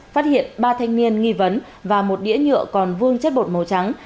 phát hiện ba thanh niên nghi vấn và một đĩa nhựa còn vương chất bột màu trắng